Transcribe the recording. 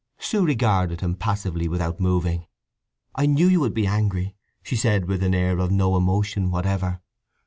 Sue regarded him passively without moving. "I knew you would be angry!" she said with an air of no emotion whatever.